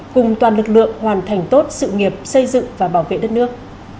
cùng toàn lực lượng hoàn thành tốt sự nghiệp xây dựng và bảo vệ đất nước